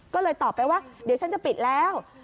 ก็เลยตอบไปว่าเดี๋ยวฉันจะปิดแล้ว